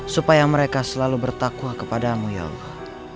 supaya mereka selalu bertakwa kepadamu ya allah